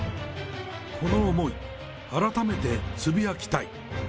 この思い、改めてつぶやきたい。